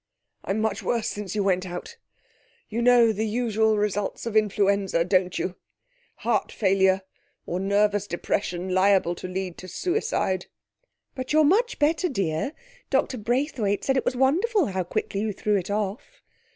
'I'm much worse since you went out. You know the usual results of influenza, don't you? Heart failure, or nervous depression liable to lead to suicide.' 'But you're much better, dear. Dr Braithwaite said it was wonderful how quickly you threw it off.'